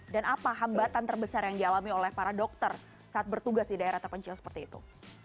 dan apa hambatan terbesar yang dialami oleh para dokter saat bertugas di daerah terpencil seperti itu